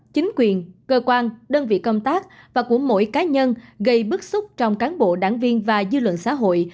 chính quyền cơ quan đơn vị công tác và của mỗi cá nhân gây bức xúc trong cán bộ đảng viên và dư luận xã hội